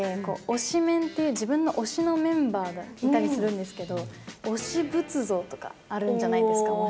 自分の推しのメンバーがいたりするんですけど推し仏像とかあるんじゃないですか？